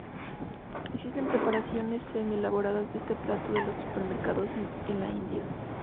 Existen preparaciones semi-elaboradas de este plato en los supermercados de la India.